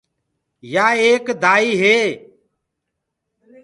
يآ ايڪ دآئي هي۔